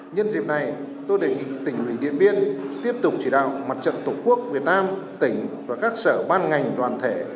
nhân dịp này tôi đề nghị tỉnh ủy điện biên tiếp tục chỉ đạo mặt trận tổ quốc việt nam tỉnh và các sở ban ngành đoàn thể